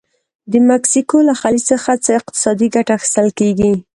د مکسیکو له خلیج څخه څه اقتصادي ګټه اخیستل کیږي؟